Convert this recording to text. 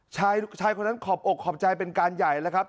ชายคนนั้นขอบอกขอบใจเป็นการใหญ่แล้วครับ